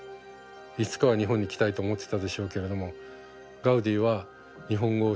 いつかは日本に来たいと思ってたでしょうけれどもガウディは日本語を知らない。